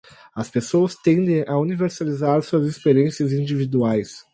As pessoas tendem a universalizar suas experiências individuais